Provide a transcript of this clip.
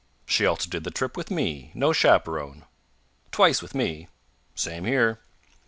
"She also did the trip with me. No chaperone." "Twice with me." "Same here."